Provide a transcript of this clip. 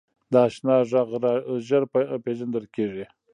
د اشنا غږ ژر پیژندل کېږي